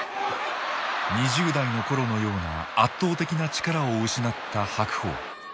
２０代の頃のような圧倒的な力を失った白鵬。